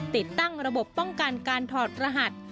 ติดตั้งระบบป้องกันการถอดรหัส